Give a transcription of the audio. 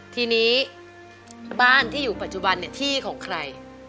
ทีนี้บ้านที่อยู่ปัจจุบันที่ของใคร